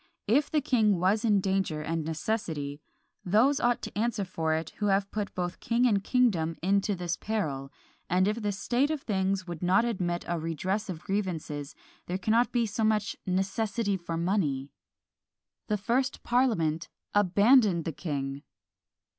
If the king was in danger and necessity, those ought to answer for it who have put both king and kingdom into this peril: and if the state of things would not admit a redress of grievances, there cannot be so much necessity for money." The first parliament abandoned the king!